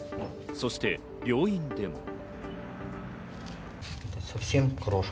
そして病院でも。